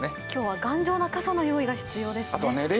今日は頑丈な傘の用意が必要ですね。